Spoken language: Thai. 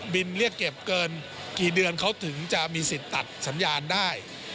เรียกเก็บเกินกี่เดือนเขาถึงจะมีสิทธิ์ตัดสัญญาณได้